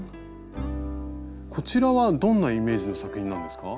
こちらはどんなイメージの作品なんですか？